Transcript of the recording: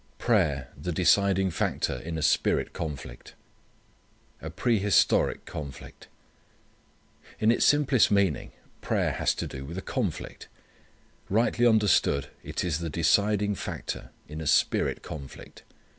Prayer the Deciding Factor in a Spirit Conflict A Prehistoric Conflict. In its simplest meaning prayer has to do with a conflict. Rightly understood it is the deciding factor in a spirit conflict.